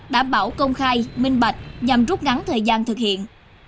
đảm bảo công khai minh bạch nhằm rút ngắn thời gian thực hiện